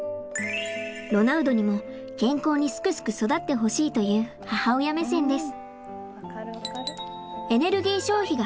ロナウドにも健康にすくすく育ってほしいという母親目線です。